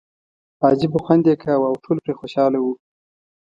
عجیبه خوند یې کاوه او ټول پرې خوشاله وو.